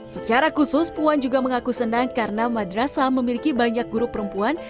secara khusus puan juga mengaku senang karena madrasah memiliki banyak guru perempuan